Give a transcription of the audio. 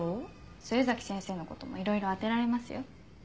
末崎先生のこともいろいろ当てられますよ。